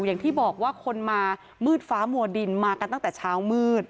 อย่างที่บอกว่าคนมามืดฟ้ามัวดินมากันตั้งแต่เช้ามืด